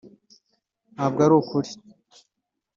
…ntabwo ari ukuri